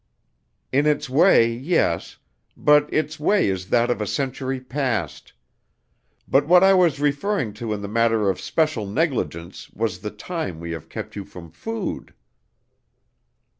"In its way, yes; but its way is that of a century past. But what I was referring to in the matter of special negligence was the time we have kept you from food."